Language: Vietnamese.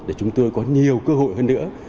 để chúng tôi có nhiều cơ hội hơn nữa